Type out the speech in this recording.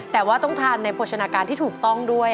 แต่ว่าต้องทานในโภชนาการที่ถูกต้องด้วย